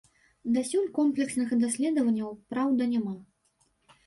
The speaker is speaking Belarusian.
Дасюль комплексных даследаванняў, праўда, няма.